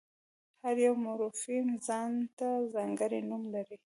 هر یو مورفیم ځان ته ځانګړی نوم لري.